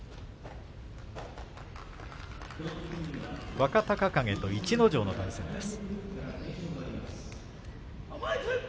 若隆景と逸ノ城との対戦です。